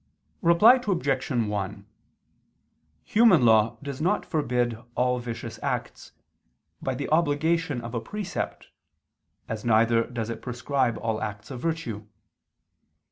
Reply Obj. 1: Human law does not forbid all vicious acts, by the obligation of a precept, as neither does it prescribe all acts of virtue.